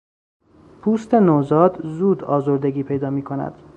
پوست نوزاد زود آزردگی پیدا میکند.